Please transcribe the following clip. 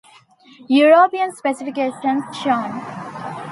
European specifications shown.